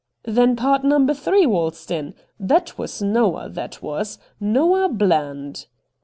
' Then pard number three waltzed in. That was Noah, that was — Noah Bland.'